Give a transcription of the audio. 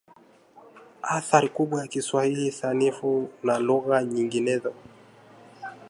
athari kubwa ya Kiswahili Sanifu na lugha nyinginezo